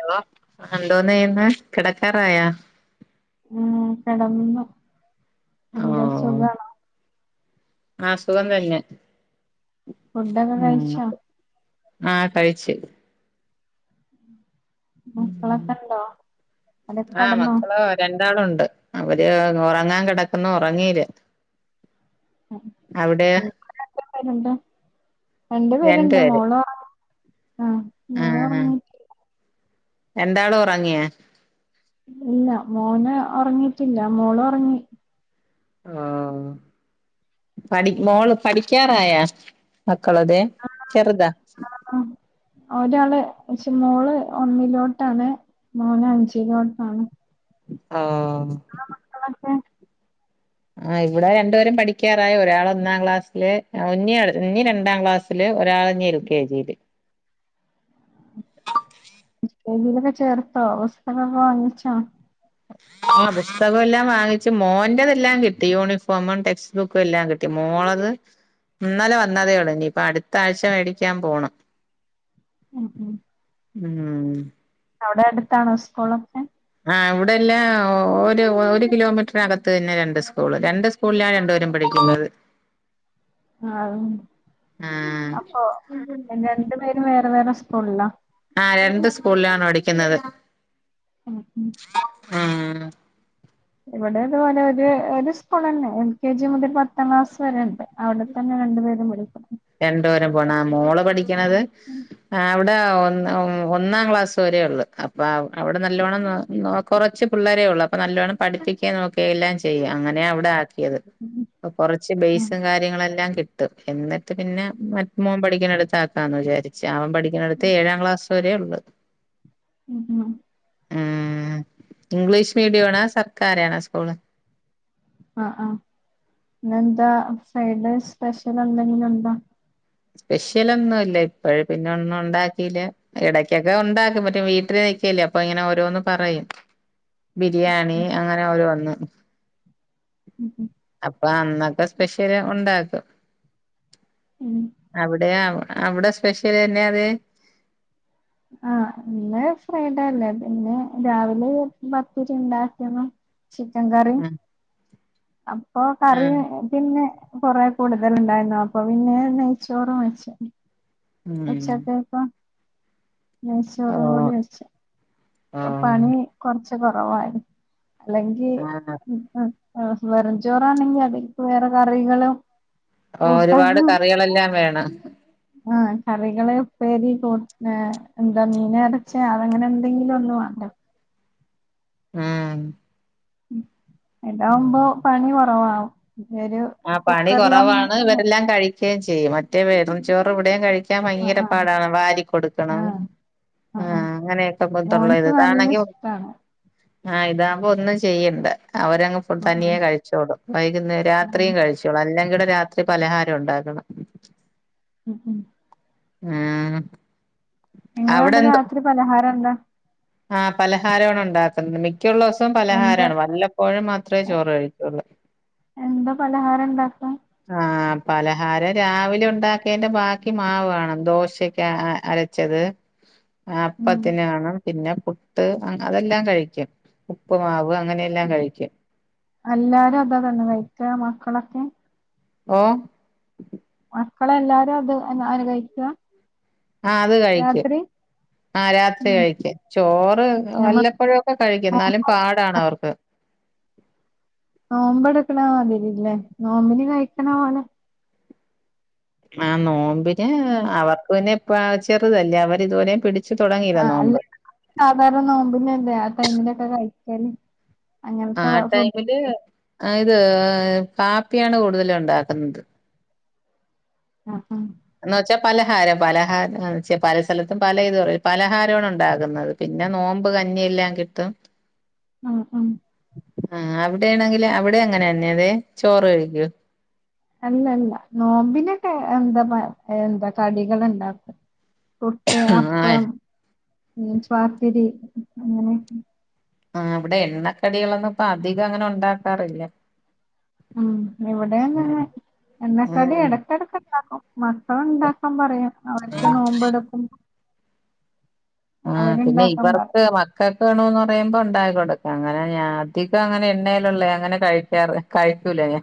ഏതാ എന്തോന്നചെയ്യുന്നേ കിടക്കാറായോ ഉം കിടന്നു ഓ എന്ത സുഖാണോ ആ സുഖം തന്നെ ഫുഡൊക്കെ ഉം കഴിച്ചോ ആ കഴിച്ച് മക്കളെക്കെ ണ്ടോ ഒര് കെടന്നോ ഒരാളുണ്ട് അവര് ഉറങ്ങാൻ കിടക്കുന്നു ഉറങ്ങീല്ല അവിടെയോ [unintelligible] രണ്ട് പേരുണ്ട് മോൾ ഉറങ്ങി അഹ് ആ മോന് ആ ഉറങ്ങിയിട്ടില്ല രണ്ടാളും ഉറങ്ങിയാ ഇല്ല മോന് ഉറങ്ങിയിട്ടില്ല മോള് ഉറങ്ങി അഹ് പഠി മോള് പഠിക്കാറായോ പ [unintelligible] ചെറുതാ പക്ഷെ മോള് ഒന്നിലോട്ടാണ് മോന് അഞ്ചിലോട്ടാണ് ആ ങ്ങളെ മക്കളൊക്കെ അഹ് ഇവിടെ രണ്ടുപേര് പഠിക്കാറായി ഒരാള് ഒന്നാംക്ലസിൽ അ ഇനി ഇനി രണ്ടാം ക്ലസിൽ ഒരാൾ ഇനി ള് കെ ജിൽ സ്കൂളിലൊക്കെ ചേർത്തോ അവസ്ഥൊക്കൊക്കെ വാങ്ങിച്ചാ ആഹ് പുസ്തകം എല്ലാം വാങ്ങിച്ചു മോൻ്റെതെല്ലാം കിട്ടി യൂണിഫോമും ടെക്സ്റ്റ്ബുക്കും എല്ലാം കിട്ടി മോളെത് ഇന്നാലെ വന്നതേ ഉള്ളു ഇനിയിപ്പ അടുത്ത ആഴ്ച മേടിക്കാൻ പോണം മ് മ് ഉമ് അവിടെ അടുത്താണൊ സ്കൂളോക്കെ ആ ഇവിടെല്ല ഒരു ഒരു കിലോമീറ്റർ അകത്ത് തന്നെ രണ്ട് സ്കൂള് രണ്ട് സ്കൂളിലാ രണ്ടുപേരും പഠിക്കുന്നത് ആഹ് ആ അപ്പൊ രണ്ടു പേരും വേറെ വേറെ സ്കു കൊള്ളാം ആ രണ്ട് സ്കൂളിലാണ് പഠിക്കുന്നത് മ് മ് ഉമ് ഇവിടെതുപോലെ ഒരു ഒരു സ്കൂൾ തന്നെ എൽകെജി മുതൽ പത്താം ക്ലാസ് വരെ ഉണ്ട് അവിടെത്തന്നെ രണ്ടു പേരും പഠിക്കു- രണ്ടപോരം പോണ മോള് പഠി- ക്കണത് ആഹ് വി- പ്പ ഒന്നാം ഒ ഒന്നാം ക്ലാസ് വരെ ഉള്ളൂ അപ്പ അവിടെ നല്ലോണ്ണം നോ നോക്ക് കുറച്ച് പിള്ളരെഒള്ളു അപ്പ നല്ലൊണ്ണം പഠിപ്പിക്കും നോ എല്ലാം ചെയ്യാം അങ്ങനെയാ അവടെ ആക്കിയത് കൊറച്ച് ഉം ബേസും കാര്യങ്ങളുമെല്ലാം കിട്ട് ത് എന്നി പിന്നെ മ മോൻ പഠിക്കണിടത്ത് ചേർത്താന്ന് വിചാരിച്ച് ആ പഠിക്കണിടത്തെ ഏഴാം ക്ലാസ്സ്‌ വരെള്ള്. ഉം ഉം ആഹ് ഇംഗ്ലീഷ് മീഡിയാണോ സർക്കാരാണോ സ്കൂള് ആ ആ പിന്നെന്താ ഫ്രൈഡേ സ്പെഷ്യൽ എന്തെങ്കിലും ഉണ്ടോ? സ്പെഷ്യലൊന്നുല്ല ഇപ്പഴ് പിന്നൊന്നുണ്ടാകീല ഇടക്കൊക്കെ ഉണ്ടാക്കും മറ്റേ വീട്ടിലിരികീലെ അപ്പൊ ഓരോന്ന് പറയും. ബിരിയാണി അങ്ങനെ ഓരോന്ന്. [inaudible] അപ്പൊ അന്നക്ക സ്പെഷ്യല് ഒണ്ടാക്കും. ഉം അവിടെയാവ് അവടെ സ്പെഷ്യല് എന്യാത് ആഹ് ഇന്ന് ഫ്രൈഡേ അല്ലേ പിന്നെ രാവിലെ [unintelligible] ചിക്കൻ കറിം ഉം അപ്പൊ കറി ഉം പിന്നെ കൊറേകൂടുതല് ഇണ്ടയുന്നു അപ്പൊ പിന്നെ നെയ്‌ച്ചോറും വെച്ച് ഉം ഉച്ചത്തേക്കോ ഓ നെയ്‌ച്ചോറും കൂടി വെച്ച് ഓ അപ്പൊ പണി കൊറച്ച് [unintelligible] കൊറവായി അല്ലെങ്കി ആഹ് ഉം ഉം ആഹ് വെറും ചോറാണെകി അതിൽക്കി വേറെ കറികളോ ഓരുപാട് കറികളെല്ലാം വേണം ആഹ് കറികള് ഉപ്പേരി കൂ ഏഹ് എന്താ മീൻ [unintelligible] അങ്ങനെ എന്തെങ്കിലും ഒന്ന് വാണ്ടേ ഉം [inaudible] ഇതാവുമ്പോ പണി കൊറവാ ആ പണി കൊറവാണ് ഇവരെല്ലാം കഴി ക്കേം ചെയ്യും മറ്റേ വെറും ചോറ് ഇവിടെം കഴിക് ക്കാൻ ആഹ് ഭയങ്കര ആഹ് പാടാണ് വാരി കൊടുക്കണം ആഹ് ആഹ് ഉം ആഹ് അങ്ങനൊക്കെ ബുദ് മോൻക്ക് [unintelligible] നല്ല ഇതാണെങ്കിൽ ഇഷ്ടാണ് ആ ഇതാവുമ്പോ ഒന്നും ചെയ്യണ്ട അവരങ്ങ് ഫുഡ്‌ ആഹ് തനിയെ ആഹ് കഴിച്ചോളും വൈകുന്നേര ആഹ് രാത് കഴിച്ചോളും അല്ലെങ്കിവ്ടെ രാത്രി പലഹാരം ഉണ്ടാക്കണം ഉം ഉം ആ നിങ്ങളവിടെ രാത്രി പലഹാരന്താ ആ പലഹാരവ്ടെണ്ടാക്കുന്ന [unintelligible] ഇക്കയുള്ള ദിവസം പലഹാരാണ് വല്ലപ്പോഴും മാത്ര ചോറ് കഴിക്കൊള്ളൂ പലഹാരണ്ടാക്ക ആ പലഹാരം രാവിലെണ്ടാക്കിയെൻ്റെ ബാക്കി മാവ് കാണും ദോശക്കെ അരച്ചത് ആ ഉം അപ്പത്തിന് കാണും പിന്നെ പുട്ട് അങ് അതെല്ലാം കഴിക്കും ഉപ്പ്മാവ് അല്ലാരും അതാ തന്നെ കഴിക്കാ മക്കളൊക് ക്കെ ഓ മക്കളെല്ലാരും അത് അനു അനുകഴിക്ക ആ അത് കഴിക്കും ആ രാത്രി ഉം കഴിക്ക ചോറ് ഞമ്മ വല്ലപ്പോഴൊക്കെ കഴിക്കുംന്നാലും പാടാണ് അവർക്ക് നോമ്പ് എട്ക്ക്ണ മാതിരില്ലേ നോമ്പിന് കഴിക്ക്ണ പോലെ ആ നോമ്പ് ഏ ഉം അവർക്ക് നി പ്പാ ചെറുതല്ല അവർ ഇതുപോലെ [unintelligible] [unintelligible] അങ്ങനത്തെ ഫുഡ് [unintelligible] [unintelligible] [unintelligible] എന്ന് വെച്ചാ പലഹാരം പലഹാരം മ് ചെ പല സ്ഥലത്തും പല ഇത് പലഹാരൊട്ണ്ടാകുന്നത് പിന്നെ നോമ്പ് കഞ്ഞില്ലാം കിട്ടും ആ ആ ആ അവിടേണെങ്കില് അവിടെ അങ്ങനെന്നെത് ചോറ് കഴിക്കോ അല്ലല്ല നോമ്പിനൊക്കെ എന്തപ എന്താ കടികളുണ്ടാക്കും പുട്ട് ആ അപ്പം നൈസ് പാത്തിരി അങ്ങനെ ആ ഇവിടെ എണ്ണക്കടികളൊന്നും പ്പൊ അധികംങ്ങനെ ഉണ്ടാക്കാറില്ല ഉം ഉം ഇവടങ്ങനെ എണ്ണക്കടി ഉം എടക്കട്ക്ണ്ടാക്കും മക്കള്ണ്ടാക്കാംപറയും അവർക്ക് നോമ്പ് എടുക്കുമ്പൊ ആ പിന്നെ അവര്ണ്ടാക്കാൻ പറയും ഇവർക്ക് മക്കക്ക്ന്ന് പറയുമ്പോണ്ടായ് കൊടുക്കും അങ്ങനെ ഞാൻ അധികംങ്ങനെ എണ്ണയിലുള്ളേ അങ്ങനെ കഴിക്കാറ് കഴിക്കൂലല്ല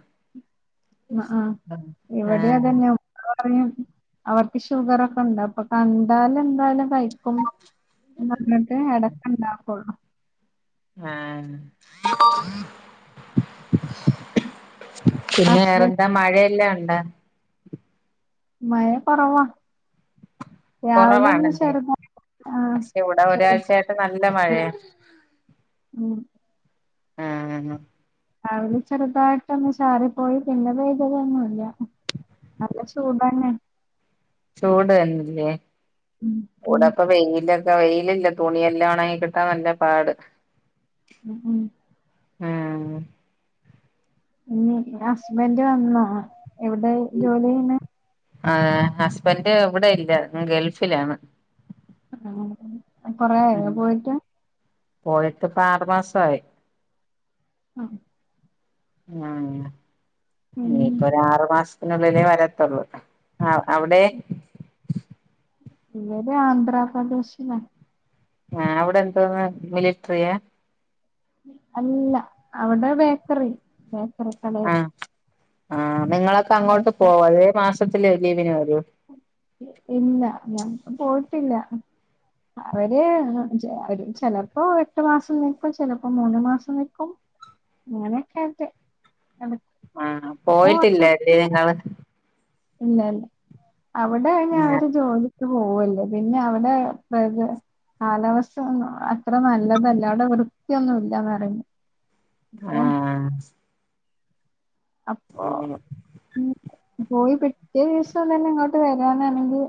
അ ആ ആഹ് ഇവിടെയതന്നെ പറയും അവർക്ക് ഷുഗറൊക്കെണ്ടോ പ്പൊ കണ്ടാലന്തായലും കൈക്കും വന്നിട്ട് അട [unintelligible] ആഹ് പിന്നെ ഹസ്ബൻഡ് വേറെന്താ മഴയെല്ലാംഉണ്ടാ മഴ കുറവാ കുറവാണല്ലേ ആഹ് പക്ഷെ ഇവിടെ ഒരാഴ്ച്ച ആയിട്ട് ചെറുതായിട്ട് നല്ല മഴയാ ഉം ആഹ് രാവിലെ ചെറുതായിട്ട് ഒന്ന് ചാറിപ്പോയി പിന്നെ പെയ്തതൊന്നും ഇല്ല നല്ല ചൂടാണ് ചൂട് തന്നെയല്ലേ ഉം ഉം എവിടൊക്കെ വെയിൽ വെയിലില്ല തുണിയെല്ലാം ഉണങ്ങി കിട്ടാൻ വലിയ പാട് ഉം ഉം ആഹ് പിന്നെ ഹസ്ബൻഡ് വന്നോ എവിടെ ജോലി ചെയ്യണേ ആഹ് ഹസ്ബൻഡ് ഇവിടെ ഇല്ല അങ്ങ് ഗൾഫിലാണ് ആണോ കുറെ ആയോ പോയിട്ട് പോയിട്ട് ഇപ്പം ആറുമാസമായി ആഹ് മ്മ് ഉം ഇനിയിപ്പോ ഒരു ആറുമാസ പിന്നെ ഇതിനെ വരത്തൊള്ളൂ ആഹ് അവിടെ ഇവര് ആന്ധ്രാപ്രദേശിലാ ആഹ് അവിടെന്തോന്നു മിലിട്രിയാ അല്ലാ അവിടെ ബേക്കറി കടേൽ ആഹ് നിങ്ങളൊക്കെ അങ്ങ്ട്ട് പോകുവോ അതെ മാസ സത്തില് ലീവിന് വരോ ഇല്ല നമ്മള് പോയിട്ടില്ല അവര് ചിലപ്പോൾ എട്ടുമാസംനിക്കും ചിലപ്പോൾ മൂന്ന്മാസം നിക്കും അങ്ങനെയൊക്കെ ആഹ് ഇപ്പൊ പോയിട്ടില്ല അല്ലെ നിങ്ങള് ഇല്ല ല്ല അവിടെ അതിനു അവര് ജോലി ക്ക് പോകുവല്ലേ പിന്നെ അവിടെ പ്രക് കാലാവസ്ഥ അത്രനല്ലതല്ല അവിടെ വൃത്തി ഒന്നുമില്ല പറയുന്നേ ആഹ് അപ്പൊ ആ ഉം പോയി പിറ്റേ ദിവസം തന്നെ ഇങ്ങോട്ട് വരാനാണെങ്കി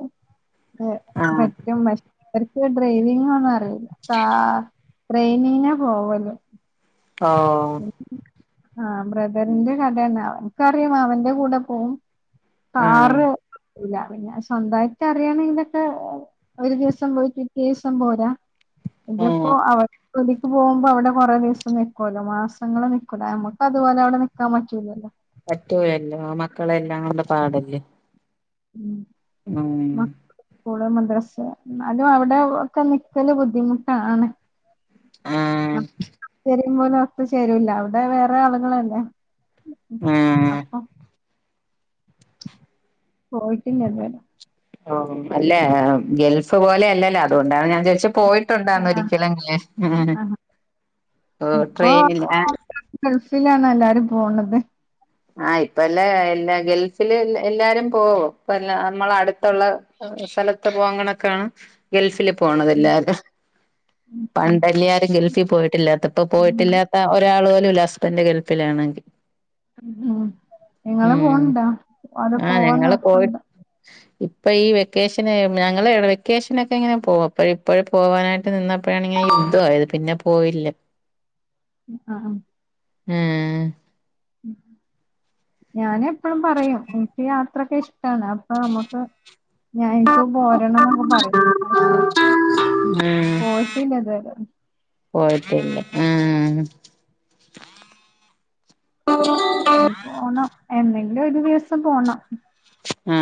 [unintelligible] ഈ ഡ്രൈവിങ്ങൊന്നും അറിയൂല പാ ട്രെയിനിന പോവല് ആ ആ ബ്രദറിന്റെ കടെണാവോ കറി മാമന്റെ കൂടെ പോവും ആ കാറു ഉഞ്ഞാ പിഞ്ഞാ സ്വന്തായിട്ട് അറിയാണെങ്കിയൊക്കെ ഒരു ദിവസം പോയി പിറ്റേസം പോയ ആ ഇത്പ്പോ അവർക്ക് വേണ്ടി പോവുമ്പോ അവടെ കൊറേ ദിവസം നിക്കോ മാസങ്ങൾ നിക്കൂല നമ്മക്ക് അത് പോലെ അവിടെ നിക്കാൻ പറ്റൂലല്ലോ പറ്റൂലല്ലോ മക്കളെല്ലാം പാടല്ലേ ഉം ഉം സ്കൂള് മദ്രസ്സ് ന്നാലു അവടെ ഒക്കെ നിക്കല് ബുദ്ധിമുട്ടാണ് ആ നമുക്ക് [unintelligible] അവിടെ വേറെ ആളുകളല്ലേ ഉം. ഏ അപ്പൊ പോയിട്ടില്ലതുവരെ ഷോറൂമല്ലേ ഗൾഫ് പോലെ അല്ലല്ലോ അത് കൊണ്ടാണ് ഞാൻ ദേശ് പോയിട്ടുണ്ടോ ആഹ് അമേരിക്കേലങ്ങനെ ആഹ് ഓ ട്രെയിനില പിന്നെ ആണോ എല്ലാരും പോണത് ആ ഇപ്പൊ ഇല്ല എല്ലാ ഗൾഫില് എല്ലാരുംപോവോഇപ്പൊ ള്ള നമ്മൾ അടുത്തൊള്ളാ ഹസനത് പോവണ് കാണാൻ ഗൾഫില് ഉം പോണതെല്ലാരും ഉം പണ്ടല്ലേ ഞാൻ ഗൾഫിൽ പോയിട്ടില്ലാത്ത പ്പൊ ഉം പോയിട്ടില്ലാത്ത ഒരാള് പോലുല്ല തന്റെ ഗൾഫിലാണെങ്കി അദ്ധോ നിങ്ങള് പോണുണ്ടോ ഓല് പോവുന്നൊർപ്പുണ്ടോ ഇപ്പേയീ വെക്കേഷന് ഞങ്ങള്എ വെക്കേഷനൊക്കെ എങ്ങനെ പോവും ഇപ്പൊ പോവാനായിട്ട് നിന്നപ്പോഴാണെങ്കി യുദ്ധോ ആയത് പിന്നെപോയില്ല അ ആ ആ ഉം ഞാന് ഞാൻ പറയും എനിക്ക് ഞാൻ ത്രക്കിഷ്ടാണ് അപ്പൊ നമുക്ക് ഞാൻ ഇന്ക്കും പോരണം ന്നൊക്കെ പറയും പക്ഷെ ഉം പോയിട്ടില്ല ത് രെ പോയിട്ടില്ല ആ ഞ്ഞി പോണം എന്നെങ്കിലൊരു ദിവസം പോണം ആ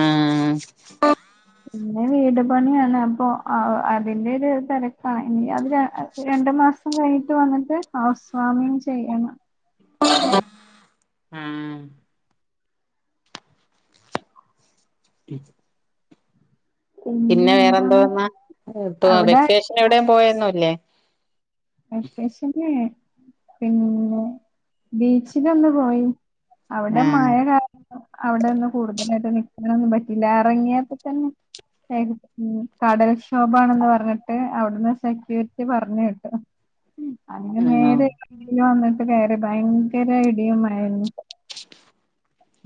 ഞാൻ വീട്ടുപണിയാണ് അപ്പോ അതിൻ്റെ ഒരു തിരക്കാണ് അത് രണ്ട് മാസം കഴിഞ്ഞിട്ട് വന്നിട്ട് ഹൗസ് ഫാമിങ്ങ് ചെയ്യാണ്. [inaudible] ഉം [inaudible] പിന്നെ വേറെന്തൊ പറഞ്ഞേ അവിടെ വെക്കേഷന് എവിടെയും പോയൊന്നുമില്ലേ. വേക്കേഷന് പിന്നെ ബീച്ചിലൊന്ന് പോയി അവിടെ ആഹ് മഴ കാരണം അവിടെയൊന്നും കൂടുതലെറിങ്ങി [inaudible] പറ്റിയില്ല ഇറങ്ങിയപോൾ തന്നെ കടൽക്ഷോഭമാണെന്ന് പറഞ്ഞിട്ട് അവിടെന്ന് സെക്യൂരിറ്റി. പറഞ്ഞുവിട്ടു. ഉം അങ്ങനെ ആണോ [inaudible] വന്നിട്ട് ചില ഭയങ്കര ഇടിയും മഴയും കിട്ടും.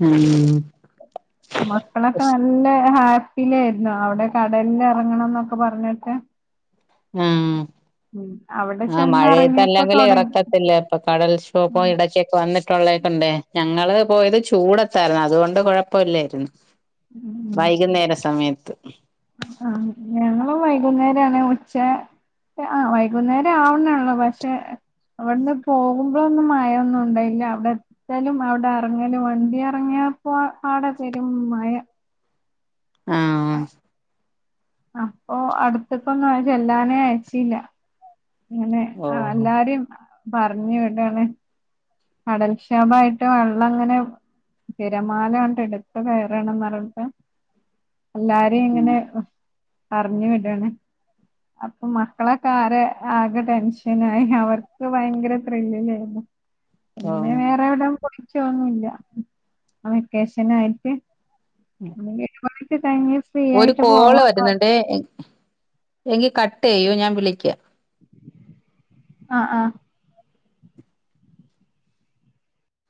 ഉം മക്കളൊക്കെ നല്ല പിന്നെ അവന് കടലിൽ ഇറങ്ങണമെന്ന് ഒക്കെ പറഞ്ഞിട്ട് ഉം അവിടെ ആ മഴയത്ത് ചെന്നെറങ്ങിയപ്പോ അല്ലെങ്കിളെ തൊടങ്ങി. ഇറക്കത്തില്ലായിരുന്നു കടൽക്ഷോഭം ഉം ഇടയ്ക്കൊക്കെ വന്നിട്ടുള്ളതു കൊണ്ടേ പോയത് ചൂടതായിരുന്നു അതുകൊണ്ട് കുഴപ്പമില്ലായിരുന്നു. വൈകുന്നേര സമയത്ത് [inaudible] ആ ഞങ്ങളും വൈകുന്നേരമണ് ഉച്ച ആ വൈകുന്നേരമാവുന്നൊള്ളൂ പക്ഷേ ഇവിടെന്നു പോകുമ്പോൾ ഒന്നും മഴയൊന്നുമുണ്ടായില്ല അവിടെ എത്തലും അവിടെ ഇറങ്ങലും വണ്ടി ഇറങ്ങിയപ്പോ അവടെ പേരും മഴ അ ആഹ് അപ്പോ അടുത്തിക്കൊന്നും ചെല്ലനെ അഴിക്കിള ഓ ഇങ്ങനെആ എല്ലാരെയും പറഞ്ഞു കേൾക്കല്ലേ കടൽക്ഷോഭമായിട്ട് വെള്ളംങ്ങനെ തിരമാല എടുത്ത് കയറാന് [inaudible] എല്ലാവരെയും ഇങ്ങനെ പറഞ്ഞുവിടാന് അപ്പോ മക്കളോ ഒക്കെ ആകെ ടെൻഷനായി അവർക്ക് ഭയങ്കര ത്രില്ലിംഗായിരുന്നു. ഓ പിന്നെ വേർവാടിം പോയി [inaudible] വെക്കേഷനായിട്ട് [inaudible] ഒരു കോൾ വരുന്നുണ്ടേ എങ്കിൽ കട്ട് ചെയ്യൂ ഞാൻ വിളിക്കാം. ആ ആ